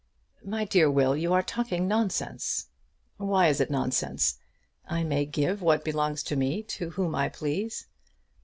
"My dear Will, you are talking nonsense." "Why is it nonsense? I may give what belongs to me to whom I please."